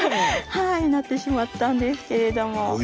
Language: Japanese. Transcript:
はいなってしまったんですけれども。